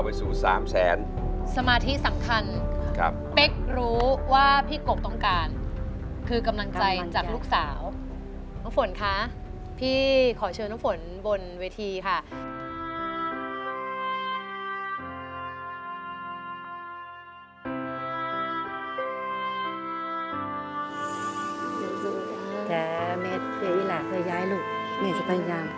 บาดแผลของพี่กบนอกจากจะต้องการยาปฏิชีวนะที่รักษาบาดแผลแล้ว